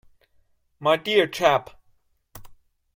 My dear chap!